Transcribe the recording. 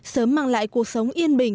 sớm mang lại cuộc sống yên bình